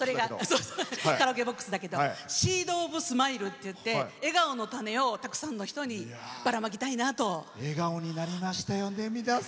カラオケボックスだけどシード・オブ・スマイルっていって笑顔の種をたくさんの人にばらまきたいなと。